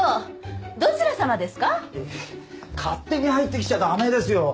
勝手に入ってきちゃ駄目ですよ。